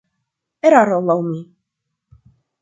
Eraro, laŭ mi.